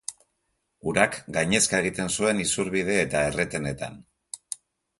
Urak gainezka egiten zuen isurbide eta erretenetan.